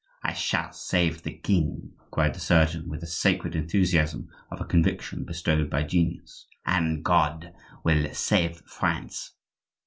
I shall save the king," cried the surgeon, with the sacred enthusiasm of a conviction bestowed by genius, "and God will save France!"